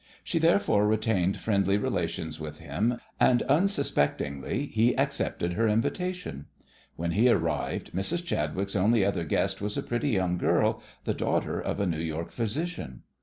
She therefore retained friendly relations with him and unsuspectingly he accepted her invitation. When he arrived Mrs. Chadwick's only other guest was a pretty young girl, the daughter of a New York physician.